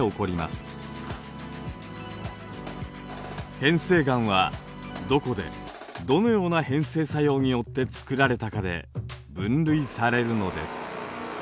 変成岩はどこでどのような変成作用によってつくられたかで分類されるのです。